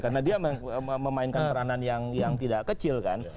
karena dia memainkan peranan yang tidak kecil kan